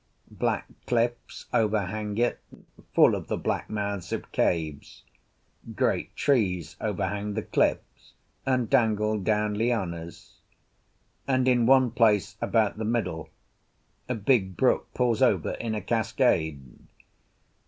Black cliffs overhang it, full of the black mouths of caves; great trees overhang the cliffs, and dangle down lianas; and in one place, about the middle, a big brook pours over in a cascade.